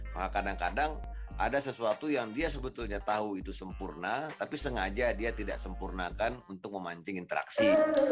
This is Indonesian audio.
maka kadang kadang ada sesuatu yang dia sebetulnya tahu itu sempurna tapi sengaja dia tidak sempurnakan untuk memancing interaksi